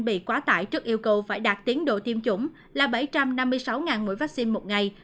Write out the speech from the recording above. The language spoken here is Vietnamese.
bị quá tải trước yêu cầu phải đạt tiến độ tiêm chủng là bảy trăm năm mươi sáu mỗi vaccine một ngày